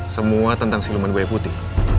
semua tentang siluman kue putih